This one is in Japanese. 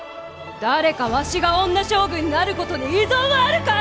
誰かわしが女将軍になることに異存はあるかえ！